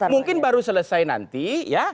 mungkin baru selesai nanti ya